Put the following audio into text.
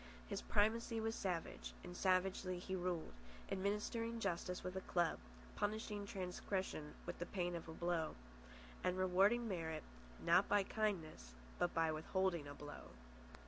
His primacy was savage, and savagely he ruled, administering justice with a club, punishing transgression with the pain of a blow, and rewarding merit, not by kindness, but by withholding a blow.